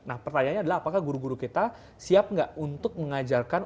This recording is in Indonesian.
nah pertanyaannya adalah apakah guru guru kita siap nggak untuk mengajarkan